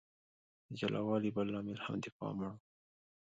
د جلا والي بل لامل هم د پام وړ و.